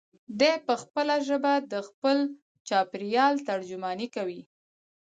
دی په خپله ژبه د خپل چاپېریال ترجماني کوي.